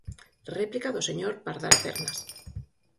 Réplica do señor Pardal Pernas.